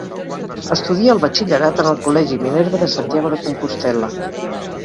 Estudia el batxillerat en el Col·legi Minerva de Santiago de Compostel·la.